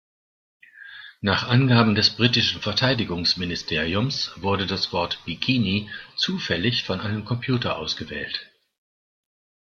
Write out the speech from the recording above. Nach Angaben des britischen Verteidigungsministeriums wurde das Wort "Bikini" zufällig von einem Computer ausgewählt.